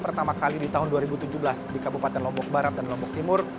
pertama kali di tahun dua ribu tujuh belas di kabupaten lombok barat dan lombok timur